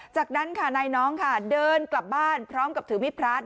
จากนั้นค่ะนายน้องค่ะเดินกลับบ้านพร้อมกับถือมิดพระ